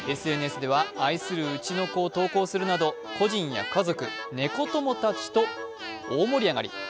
ＳＮＳでは、愛するうちの子を投稿するなど、個人や家族、猫友と大盛り上がり。